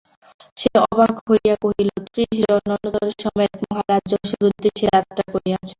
সে অবাক হইয়া কহিল, ত্রিশ জন অনুচর সমেত মহারাজ যশোর উদ্দেশে যাত্রা করিয়াছেন।